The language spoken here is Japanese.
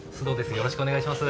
よろしくお願いします